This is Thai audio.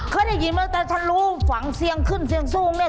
เคยได้ยินมาแต่ฉันรู้ฝังเสียงขึ้นเสียงสูงเนี่ย